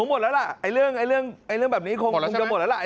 หมดแล้วล่ะเรื่องแบบนี้คงจะหมดแล้วล่ะ